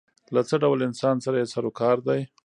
له څه ډول انسان سره یې سر و کار دی.